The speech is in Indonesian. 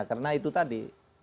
karena itu tadi